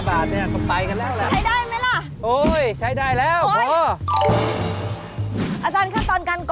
อ้าวไหนใครจะช่วยพี่บ้าง